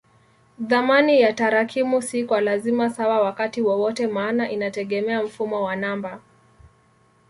Thamani ya tarakimu si kwa lazima sawa wakati wowote maana inategemea mfumo wa namba.